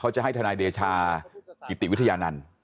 จะให้ทนายเดชากิติวิทยานันต์